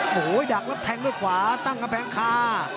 โหดักรับแทงด้วยขวาตั้งกระแพงคา